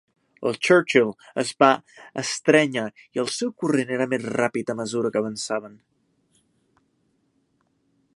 El Churchill es va estrènyer i el seu corrent era més ràpid a mesura que avançaven.